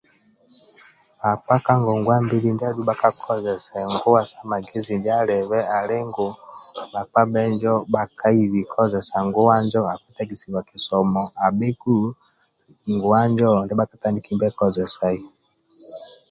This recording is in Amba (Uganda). Bhakpa ka ngongwa mbili ndiadhu bhakakozesa nguwa sa magezi ndia alibe ali ngu bhakpa njo bhakaibi kozesa nguwa njo akipasuwa kisomo abheku